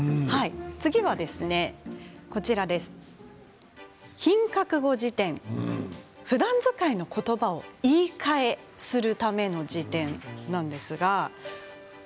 次は「品格語辞典」ふだん使いの言葉を言い換えするための辞典なんですね。